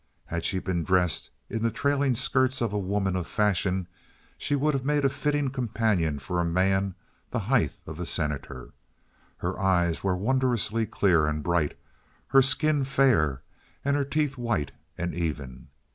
Had she been dressed in the trailing skirts of a woman of fashion she would have made a fitting companion for a man the height of the Senator. Her eyes were wondrously clear and bright, her skin fair, and her teeth white and even.